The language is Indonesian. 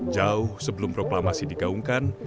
jauh sebelum proklamasi digaungkan